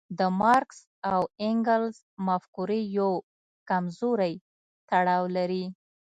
د مارکس او انګلز مفکورې یو کمزوری تړاو لري.